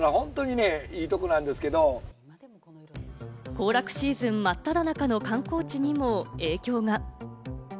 行楽シーズン真っ只中の観光地にも影響が。